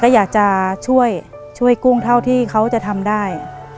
เขาคอยอยากช่วยกุ้งเท่าที่เขาจะทำได้